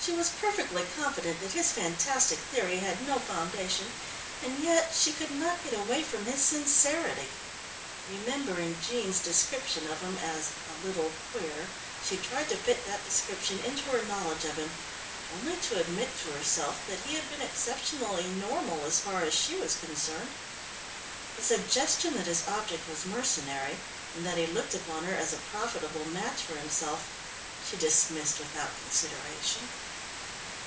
She was perfectly confident that his fantastic theory had no foundation, and yet she could not get away from his sincerity. Remembering Jean's description of him as "a little queer" she tried to fit that description into her knowledge of him, only to admit to herself that he had been exceptionally normal as far as she was concerned. The suggestion that his object was mercenary, and that he looked upon her as a profitable match for himself, she dismissed without consideration.